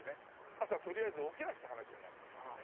朝とりあえず起きなくちゃ話にならないからね。